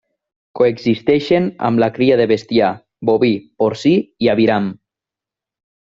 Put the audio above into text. Coexisteixen amb la cria de bestiar, boví, porcí i aviram.